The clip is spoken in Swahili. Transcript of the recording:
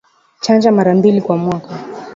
Chanja mara mbili kwa mwaka